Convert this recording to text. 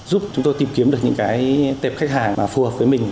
giúp chúng tôi tìm kiếm được những tệp khách hàng phù hợp với mình